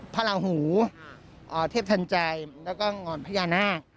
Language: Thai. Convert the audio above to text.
ลาหูเทพทันใจแล้วก็งอนพญานาค